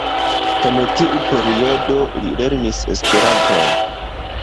En tiu periodo li lernis Esperanton.